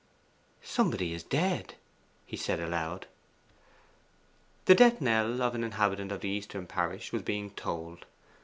'Somebody is dead,' he said aloud. The death knell of an inhabitant of the eastern parish was being tolled.